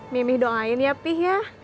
mimih doain ya pih ya